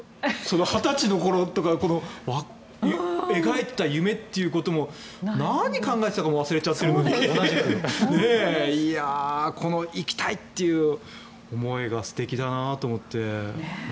２０歳の頃とか描いていた夢ということも何を考えていたかも忘れているのにこの行きたいっていう思いが素敵だなと思って。